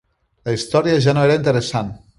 La història ja no era interessant.